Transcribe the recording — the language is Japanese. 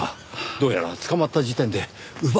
どうやら捕まった時点で奪われてしまったようです。